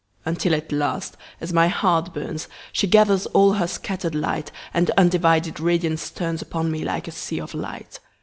Until at last, as my heart burns, She gathers all her scatter'd light, And undivided radiance turnsUpon me like a sea of light.